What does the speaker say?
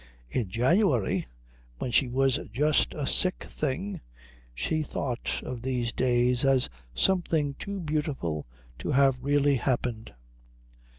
In January, when she was just a sick thing, she thought of these days as something too beautiful to have really happened.